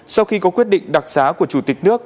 sau khi có quyết định đặc xá của chủ tịch nước